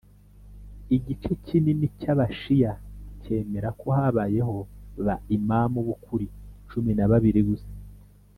igice kinini cy’abashiya cyemera ko habayeho ba imām b’ukuri cumi nababiri gusa